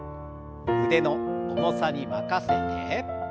腕の重さに任せて。